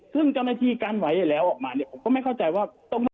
ซึ่งกรรมนาธิกันไว้แล้วออกมาเนี่ยผมก็ไม่เข้าใจว่า